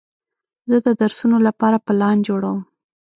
زه د درسونو لپاره پلان جوړوم.